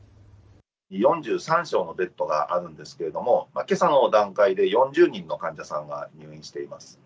４３床のベッドがあるんですけれども、けさの段階で４０人の患者さんが入院しています。